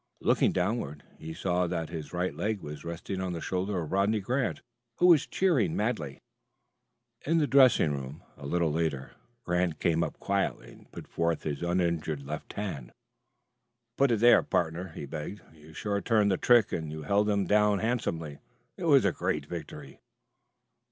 Looking downward, he saw that his right leg rested on the shoulder of Rodney Grant, who was cheering madly. In the dressing room, a little later, Grant came up quietly and put forth his uninjured left hand. "Put it there, partner," he begged. "You sure turned the trick, and you held them down handsomely. It was a great victory."